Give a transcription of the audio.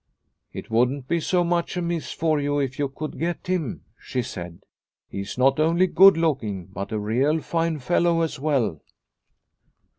" It wouldn't be so much amiss for you if you could get him," she said. " He is not only good looking, but a real fine fellow as well."